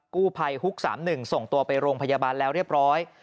กู้ภัยฮุก๓๑ส่งตัวไปโรงพยาบาลแล้วเรียบร้อย